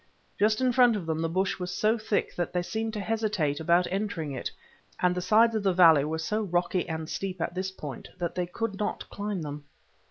Just in front of them the bush was so thick that they seemed to hesitate about entering it, and the sides of the valley were so rocky and steep at this point that they could not climb them.